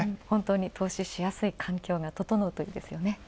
本当に投資しやすい環境が整うといいですよね。